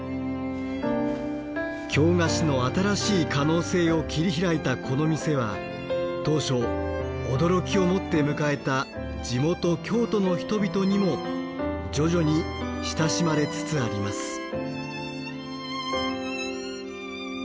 京菓子の新しい可能性を切り開いたこの店は当初驚きを持って迎えた地元京都の人々にも徐々に親しまれつつあります。